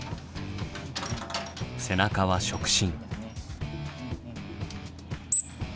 背中は触診。